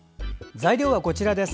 材料は、こちらです。